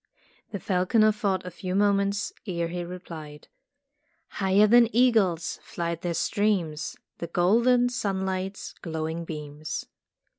'' The falconer thought a few moments ere he replied: "Higher than eagle's flight there streams The golden sunlight's glowing beams."